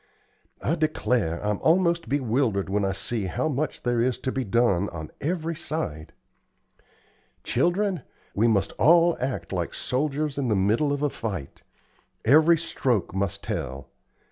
I declare I'm almost bewildered when I see how much there is to be done on every side. Children, we must all act like soldiers in the middle of a fight. Every stroke must tell.